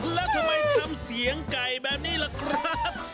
แล้วทำไมทำเสียงไก่แบบนี้ล่ะครับ